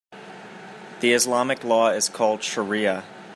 The Islamic law is called shariah.